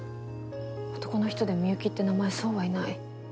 男の人でミユキって名前そうはいない。